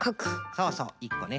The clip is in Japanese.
そうそう１こね。